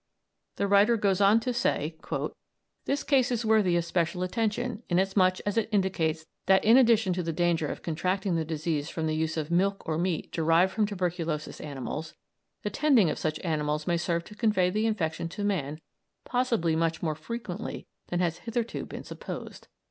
The writer goes on to say, "This case is worthy of special attention, inasmuch as it indicates that in addition to the danger of contracting the disease from the use of milk or meat derived from tuberculous animals, the tending of such animals may serve to convey the infection to man possibly much more frequently than has hitherto been supposed."